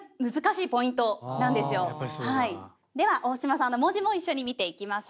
では大島さんの文字も一緒に見ていきましょう。